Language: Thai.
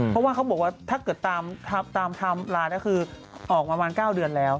เพราะว่าเขาบอกว่าถ้าเกิดตามไทม์ไลน์ก็คือออกมาประมาณ๙เดือนแล้ว